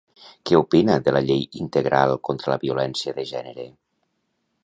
Què opina de la Llei Integral contra la Violència de Gènere?